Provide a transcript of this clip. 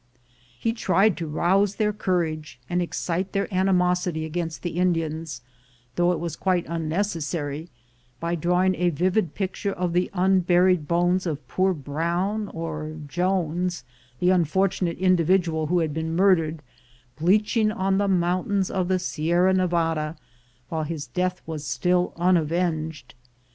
He tried to rouse their courage, and excite their animosity against the Indians, though it was quite un necessary, by drawing a vivid picture of the unburied bones of poor Brown, or Jones, the unfortunate in dividual who had been murdered, bleaching on the mountains of the Sierra Nevada, while his death was still unavenged.